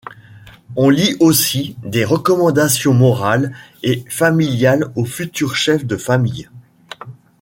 On lit aussi des recommandations morales et familiales au futur chef de famille.